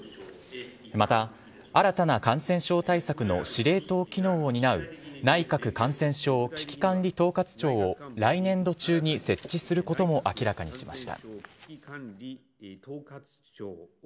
また、新たな感染症の司令塔機能を担う内閣感染症危機管理統括庁を来年度中に設置することも明らかにしました。